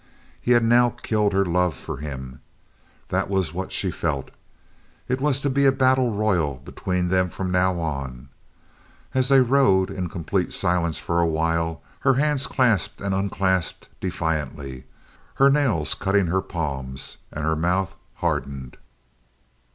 He had now killed her love for him—that was what she felt. It was to be a battle royal between them from now on. As they rode—in complete silence for a while—her hands clasped and unclasped defiantly, her nails cutting her palms, and her mouth hardened.